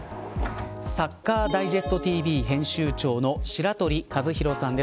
サッカーダイジェストＴＶ編集長の白鳥和洋さんです。